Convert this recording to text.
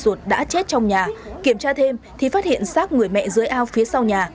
suốt đã chết trong nhà kiểm tra thêm thì phát hiện sát người mẹ dưới ao phía sau nhà